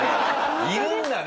いるんだね